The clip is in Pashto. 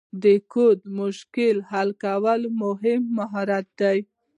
د کوډ مشکلات حل کول مهم مهارت دی.